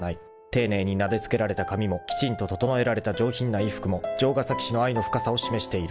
［丁寧になでつけられた髪もきちんと整えられた上品な衣服も城ヶ崎氏の愛の深さを示している］